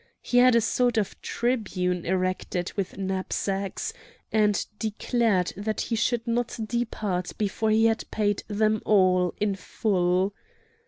He had a sort of tribune erected with knapsacks, and declared that he should not depart before he had paid them all in full.